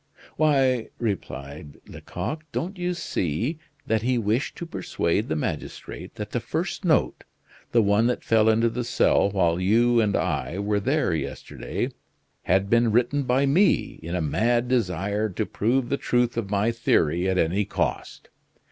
"Why," replied Lecoq, "don't you see that he wished to persuade the magistrate that the first note, the one that fell into the cell while you and I were there yesterday, had been written by me in a mad desire to prove the truth of my theory at any cost?